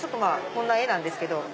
こんな絵なんですけども。